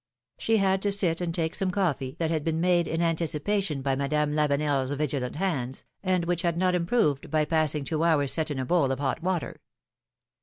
'^ She had to sit and take some' coffee, that had been made in anticipation by Madame LaveneFs vigilant hands, and which had not improved by passing two hours set in a bowl of hot water.